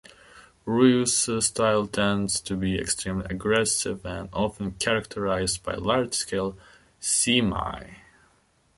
Rui's style tends to be extremely aggressive, and often characterized by large scale semeai.